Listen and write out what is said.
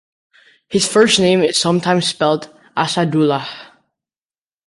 His first name is sometimes spelled "Asadullah".